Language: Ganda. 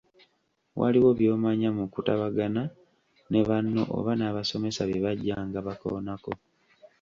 Waliwo by'omanya mu kutabagana ne banno oba n’abasomesa bye bajjanga bakoonako.